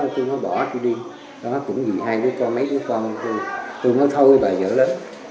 nói chung với ông ri là ông giang nhớ ông giang biết ông ri ông giang đã sống với ông ri